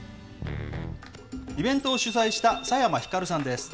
イベントを主催した佐山輝さんです。